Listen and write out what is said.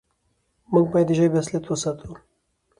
موږ بايد د ژبې اصالت وساتو.